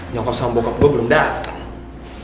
nyokap sama bokap gue belum dateng